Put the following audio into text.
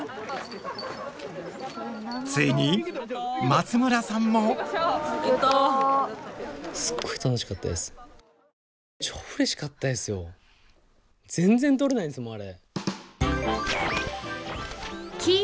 ついに松村さんも全然取れないんですもんあれ。